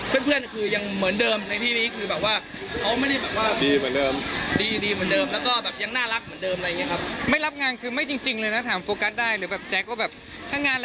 เพื่อนคือยังเหมือนเดิมในที่นี้คือแบบว่า